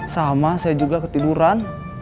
sama saya juga ketiduran